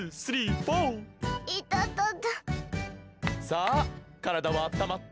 さあからだはあったまった？